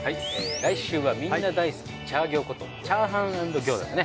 来週はみんな大好きチャーギョーことチャーハン＆餃子ですね。